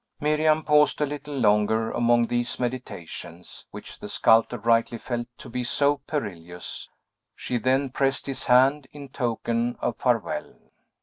Miriam paused a little longer among these meditations, which the sculptor rightly felt to be so perilous; she then pressed his hand, in token of farewell.